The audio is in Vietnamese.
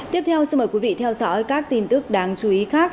tiếp theo xin mời quý vị theo dõi các tin tức đáng chú ý khác